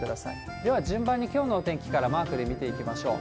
では順番にきょうのお天気からマークで見ていきましょう。